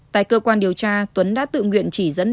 tại cơ quan điều tra tuấn đã tự nguyện chỉ dẫn đến nơi cất giấu